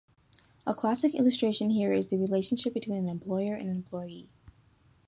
A classic illustration here is the relationship between an employer and employee.